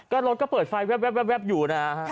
ก็รถก็เปิดไฟแว๊บอยู่นะฮะ